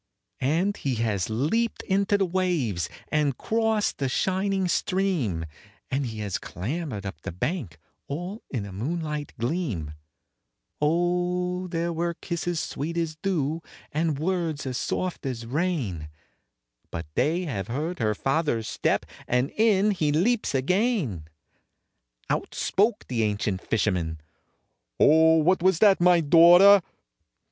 And he has leaped into the waves, and crossed the shining stream, And he has clambered up the bank, all in the moonlight gleam; Oh there were kisses sweet as dew, and words as soft as rain, But they have heard her father's step, and in he leaps again! Out spoke the ancient fisherman, "Oh, what was that, my daughter?"